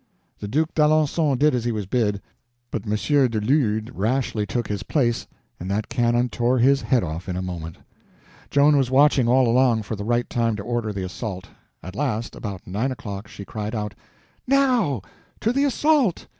The Duke d'Alencon did as he was bid; but Monsieur du Lude rashly took his place, and that cannon tore his head off in a moment. Joan was watching all along for the right time to order the assault. At last, about nine o'clock, she cried out: "Now—to the assault!"